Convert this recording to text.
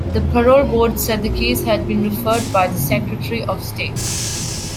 The Parole Board said the case had been referred by the secretary of state.